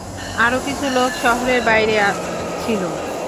আরো কিছু লোক শহরের বাইরে ছিল।